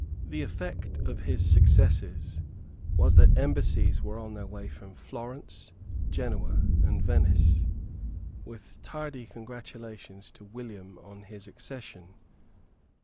The effect of his successes was that embassies were on their way from Florence, Genoa and Venice, with tardy congratulations to William on his accession.